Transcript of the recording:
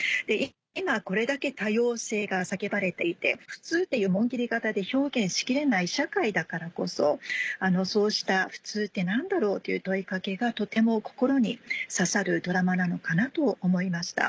今これだけ多様性が叫ばれていて普通っていう紋切り型で表現し切れない社会だからこそそうした普通って何だろう？という問い掛けがとても心に刺さるドラマなのかなと思いました。